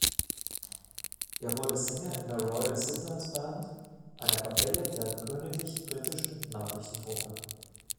Er wurde Sänger in der Royal Signals Band, einer Kapelle der Königlich-Britischen Nachrichtentruppe.